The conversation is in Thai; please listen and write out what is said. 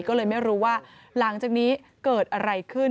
ก็เลยไม่รู้ว่าหลังจากนี้เกิดอะไรขึ้น